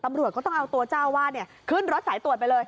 ตำรวจก็ต้องเอาตัวเจ้าวาดขึ้นรถสายตรวจไปเลย